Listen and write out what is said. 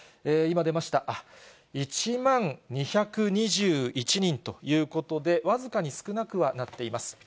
今出ました、１万２２１人ということで、僅かに少なくはなっています。